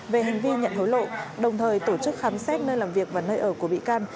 về hành vi nhận hối lộ đồng thời tổ chức khám xét nơi làm việc và nơi ở của bị can